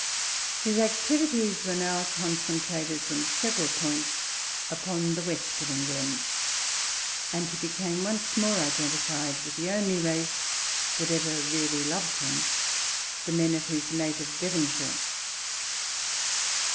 His activities were now concentrated from several points upon the West of England, and he became once more identified with the only race that ever really loved him, the men of his native Devonshire.